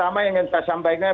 pertama ingin saya sampaikan